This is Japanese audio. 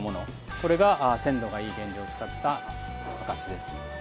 これが鮮度がいい原料を使った証しです。